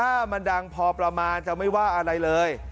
อะไรเลย